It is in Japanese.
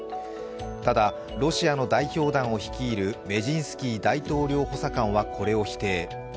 ただ、ロシアの代表団を率いるメジンスキー大統領補佐官はこれを否定。